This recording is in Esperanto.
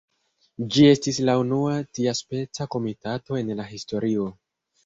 Ĝi estis la unua tiaspeca komitato en la historio.